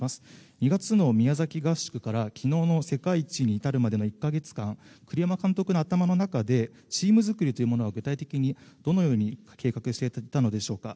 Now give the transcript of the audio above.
２月の宮崎合宿から昨日の世界一に至るまでの１か月間栗山監督の頭の中でチーム作りというものは具体的にどのように計画していたのでしょうか。